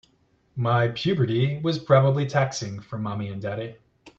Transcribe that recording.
My puberty was probably taxing for mommy and daddy.